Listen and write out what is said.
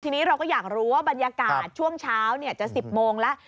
ทีนี้เราก็อยากรู้ว่าบรรยากาศช่วงเช้าจะ๑๐โมงแล้ว